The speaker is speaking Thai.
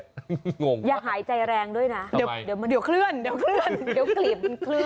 อย่าหายใจแรงด้วยนะเดี๋ยวเคลื่อนเดี๋ยวเกลียด